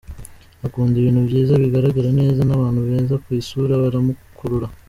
Akunda ibintu byiza bigaragara neza n’abantu beza ku isura baramukurura.